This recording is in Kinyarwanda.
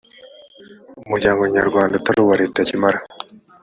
umuryango nyarwanda utari uwa leta kimara